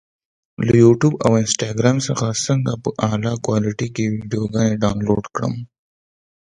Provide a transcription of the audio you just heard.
له یوټیوب او انسټاګرام څخه څنګه په اعلی کوالټي کې ویډیوګانې ډاونلوډ کړم؟